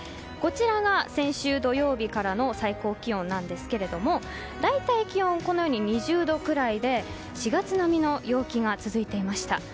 こちらが先週土曜日からの最高気温なんですけれども大体気温、２０度くらいで４月並みの陽気が続いていました。